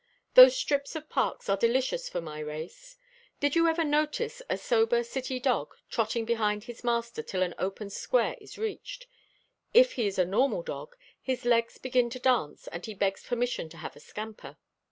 Those strips of park are delicious for my race. Did you ever notice a sober, city dog trotting behind his master till an open square is reached? If he is a normal dog, his legs begin to dance, and he begs permission to have a scamper.